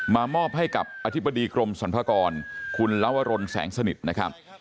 มามอบให้กับอธิบดีกรมสัญพากรคุณลาวรนซนะครับ